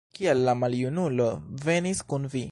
Kial la maljunulo venis kun vi?